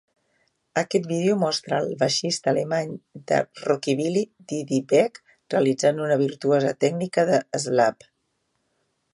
Aquest vídeo mostra el baixista alemany de rockabilly Didi Beck realitzant una virtuosa tècnica de slap.